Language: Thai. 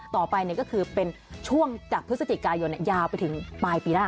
ต่อไปก็คือเป็นช่วงจากพฤศจิกายนยาวไปถึงปลายปีหน้า